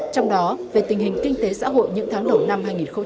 trong đó về tình hình kinh tế xã hội những tháng đổi năm hai nghìn hai mươi ba